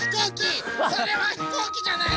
それはひこうきじゃないの？